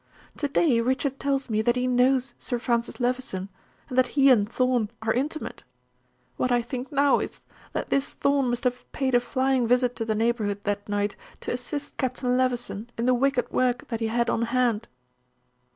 To day Richard tells me that he knows Sir Francis Levison, and that he and Thorn are intimate. What I think now is, that this Thorn must have paid a flying visit to the neighborhood that night to assist Captain Levison in the wicked work that he had on hand."